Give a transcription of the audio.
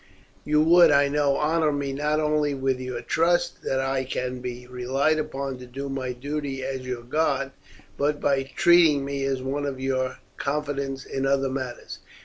You would, I know honour me not only with your trust that I can be relied upon to do my duty as your guard, but by treating me as one in your confidence in other matters.